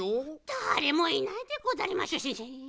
だれもいないでござりますししん。